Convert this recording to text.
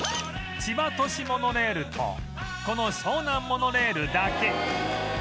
千葉都市モノレールとこの湘南モノレールだけ